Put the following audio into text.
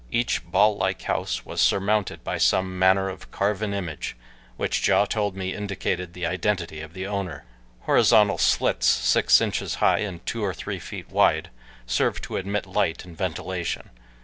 Each ball like house was surmounted by some manner of carven image, which Ja told me indicated the identity of the owner. Horizontal slits, six inches high and two or three feet wide, served to admit light and ventilation.